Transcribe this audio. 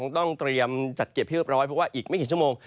ต้องเตรียมจัดเก็บให้เรียบร้อยเพราะว่าอีกไม่กี่ชั่วโมง